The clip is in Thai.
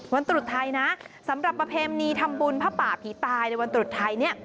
ตรุษไทยนะสำหรับประเพณีทำบุญผ้าป่าผีตายในวันตรุษไทยเนี่ย